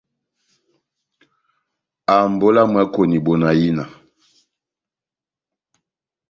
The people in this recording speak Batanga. Ambolo ya mwákoni bona ina!